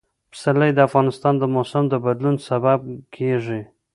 پسرلی د افغانستان د موسم د بدلون سبب کېږي.